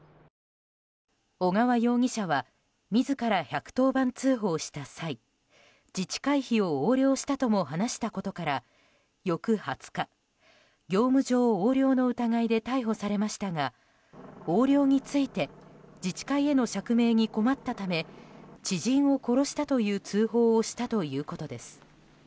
小川容疑者は自ら１１０番通報した際自治会費を横領したとも話したことから翌２０日、業務上横領の疑いで逮捕されましたが横領について自治会への釈明に困ったため知人を殺したという通報をしたということです。